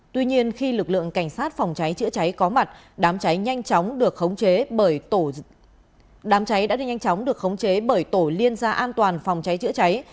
tuy nhiên khi lực lượng cảnh sát phòng cháy chữa cháy có mặt đám cháy đã được nhanh chóng được khống chế bởi tổ liên gia an toàn phòng cháy chữa cháy